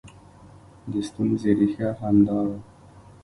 د ستونزې ریښه همدا وه